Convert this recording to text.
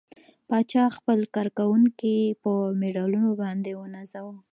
پاچا خپل کارکوونکي په مډالونو باندې ونازوه.